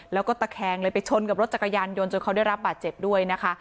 แล้วก็ตะแคงเลยไปชนกับรถจักรยานยนต์จนเขาได้รับบาดเจ็บด้วยนะคะ